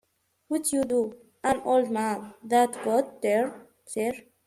Would you do an old man that good turn, sir?